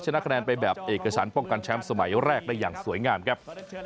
ชนะคะแนนไปแบบเอกชั้นป้องกันแชมป์สมัยแรกได้อย่างสวยงามครับ